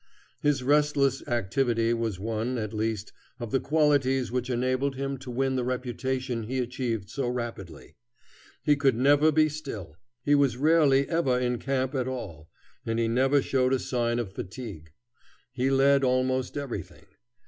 His restless activity was one, at least, of the qualities which enabled him to win the reputation he achieved so rapidly. He could never be still. He was rarely ever in camp at all, and he never showed a sign of fatigue. He led almost everything.